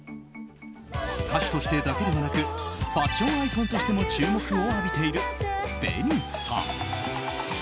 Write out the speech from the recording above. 歌手としてだけではなくファッションアイコンとしても注目を浴びているＢＥＮＩさん。